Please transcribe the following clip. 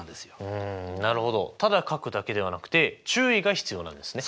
うんなるほどただ書くだけではなくて注意が必要なんですね！